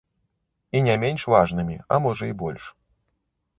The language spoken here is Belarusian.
І не менш важнымі, а можа і больш.